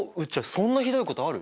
そんなひどいことある！？